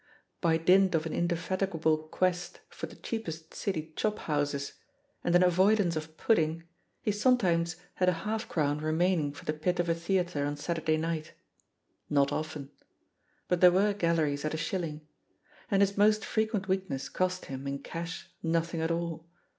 By dint of an indefatigable quest for the cheapest City chop houses and an avoidance of pudding, he sometimes had a half JTHE POSITION OP PEGGY HARPER crown remaining for the pit of a theatre on Sat urday night. Not often. But there were gal leries at a shilling. And his most frequent weak ness cost him, in cash, nothing at all.